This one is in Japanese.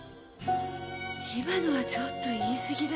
今のはちょっと言い過ぎだよ。